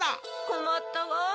こまったわ。